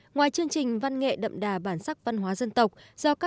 ngoài chương trình văn nghệ đậm đà bản sắc văn hóa dân tộc